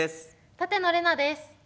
舘野伶奈です。